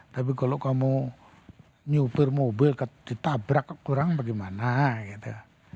tapi kalau kamu nyupir mobil ditabrak kurang bagaimana gitu